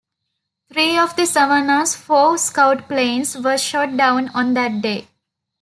Three of the "Savannah"s four scout planes were shot down on that day.